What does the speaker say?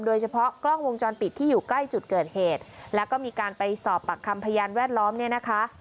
โดยเฉพาะกล้องวงจรปิดที่อยู่ใกล้จุดเกิดเหตุแล้วก็มีการไปสอบปากคำพยานแวดล้อมเนี่ยนะคะ